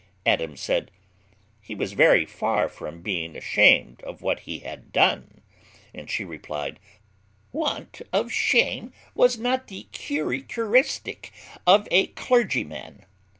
Adams said, "He was very far from being ashamed of what he had done:" she replied, "Want of shame was not the currycuristic of a clergyman."